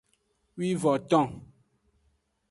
Wivonton.